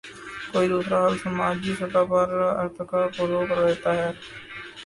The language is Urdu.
کوئی دوسرا حل سماجی سطح پر ارتقا کو روک دیتا ہے۔